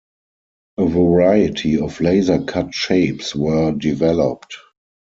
A variety of laser cut shapes were developed.